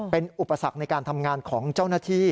เป็นอุปสรรคในการทำงานของเจ้าหน้าที่